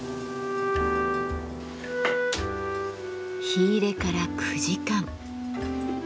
火入れから９時間。